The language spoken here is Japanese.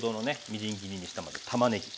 みじん切りにしたたまねぎ。